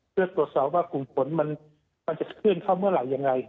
เพื่อตรวจสอบว่าผลมันจะเคลื่อนเข้าเมื่อไหร่อย่างไร